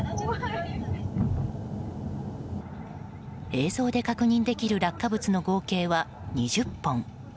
映像で確認できる落下物の合計は２０本。